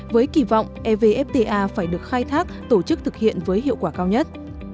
với kỳ vọng evfta phải được khai thác tổ chức thực hiện với hiệu quả cao nhất